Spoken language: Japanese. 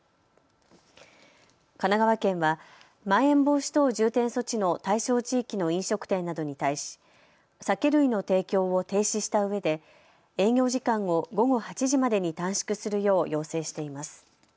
神奈川県は、まん延防止等重点措置の対象地域の飲食店などに対し酒類の提供を停止したうえで営業時間を午後８時までに短縮するよう要請しています。